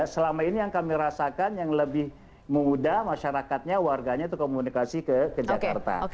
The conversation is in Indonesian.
selama ini yang kami rasakan yang lebih mudah masyarakatnya warganya itu komunikasi ke jakarta